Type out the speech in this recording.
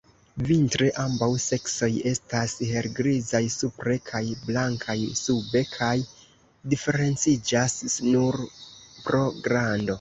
Vintre ambaŭ seksoj estas helgrizaj supre kaj blankaj sube kaj diferenciĝas nur pro grando.